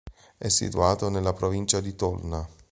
È situato nella provincia di Tolna.